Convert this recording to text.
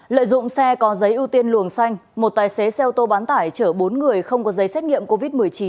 lợi dụng xe có giấy ưu tiên luồng xanh một tài xế xe ô tô bán tải chở bốn người không có giấy xét nghiệm covid một mươi chín